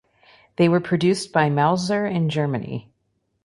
They were produced by Mauser in Germany.